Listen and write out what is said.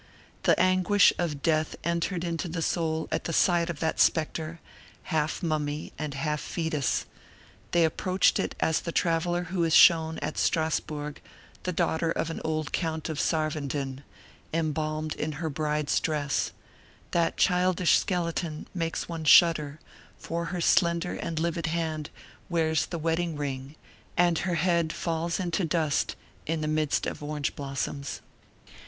The anguish of death entered into the soul at the sight of that specter, half mummy and half fetus; they approached it as the traveler who is shown at Strasburg the daughter of an old count of Sarvenden, embalmed in her bride's dress: that childish skeleton makes one shudder, for her slender and livid hand wears the wedding ring and her head falls into dust in the midst of orange blossoms.